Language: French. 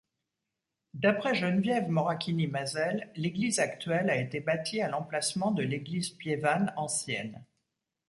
D'après Geneviève Moracchini-Mazel l'église actuelle a été bâtie à l'emplacement de l'église piévane ancienne.